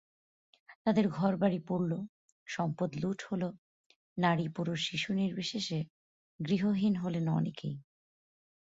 তাদের ঘরবাড়ি পুড়ল, সম্পদ লুট হলো, নারী-পুরুষ-শিশু নির্বিশেষে গৃহহীন হলেন অনেকেই।